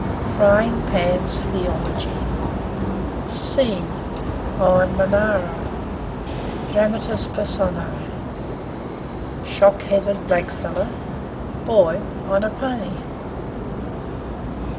Frying Pan's Theology Scene: On Monaro. DRAMATIS PERSONAE: Shock headed blackfellow, Boy (on a pony).